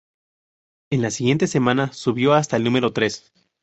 En la siguiente semana, subió hasta el número tres.